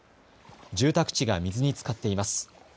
住宅地が水につかっています。